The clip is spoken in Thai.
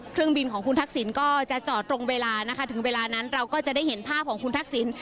เครื่องบินของคุณทักษิณก็จะจอดตรงเวลานะคะถึงเวลานั้นเราก็จะได้เห็นภาพของคุณทักษิณ